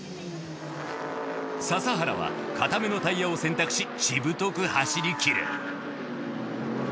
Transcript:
笹原は硬めのタイヤを選択ししぶとく走りきる